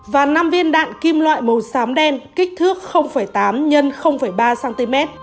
và năm viên đạn kim loại màu xám đen kích thước tám x ba cm